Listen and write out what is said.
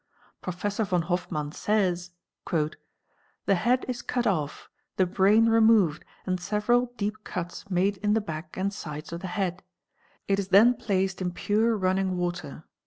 Professor von Hofmann says "89 :— "The head is cut off, the brain removed and several deep cuts made in the back and sides of the head; it is then placed in pure run=— CORPSE IDENTIFICATION | 159 ning water.